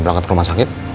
berangkat ke rumah sakit